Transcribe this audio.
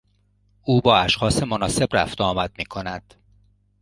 او با اشخاص مناسب رفت و آمد میکند.